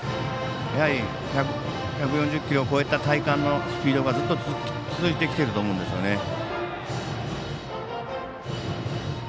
やはり１４０キロを超えた体感のスピードがずっと続いてきていると思うんですね。